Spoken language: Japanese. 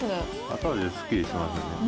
後味すっきりしてますよね。